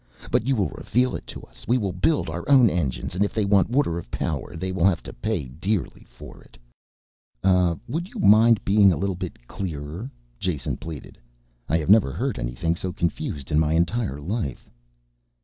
But you will reveal it to us! We will build our own engines and if they want water of power they will have to pay dearly for it." "Would you mind being a little bit clearer," Jason pleaded. "I have never heard anything so confused in my entire life."